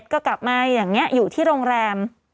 ก็กลับมาอย่างนี้อยู่ที่โรงแรม